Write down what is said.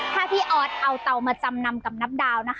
ถ้าพี่ออสเอาเตามาจำนำกับนับดาวนะคะ